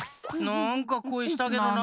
なんかこえしたけどなぁ。